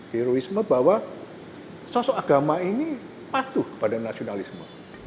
heroisme bahwa sosok agama ini patuh pada nasionalisme